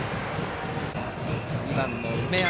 ２番の梅山。